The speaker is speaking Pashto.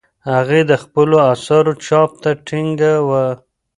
هغې د خپلو اثارو چاپ ته ټینګه وه.